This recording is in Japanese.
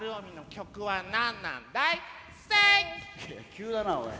急だなおい。